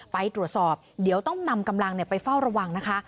ไปตรวจสอบเดี๋ยวต้องนำกำลังไปเฝ้าระวังนะคะ